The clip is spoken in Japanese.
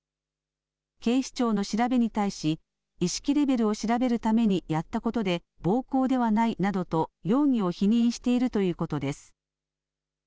警視庁の調べに対し意識レベルを調べるためにやったことで暴行ではないなどと容疑を否認しているということです。